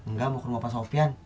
enggak mau ke rumah pak sofian